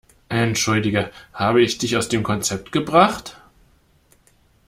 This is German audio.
Entschuldige, habe ich dich aus dem Konzept gebracht?